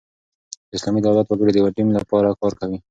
د اسلامي دولت وګړي د یوه ټیم له پاره کار کوي.